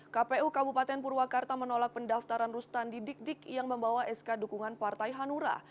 kpu kabupaten purwakarta menolak pendaftaran rustan di dik dik yang membawa sk dukungan partai hanura